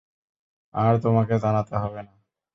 আর তোমাকে জানাতে হবে না।